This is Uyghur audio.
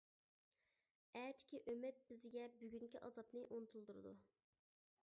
ئەتىكى ئۈمىد بىزگە بۈگۈنكى ئازابنى ئۇنتۇلدۇرىدۇ.